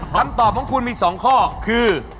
คำตอบของคุณมี๒ข้อคือ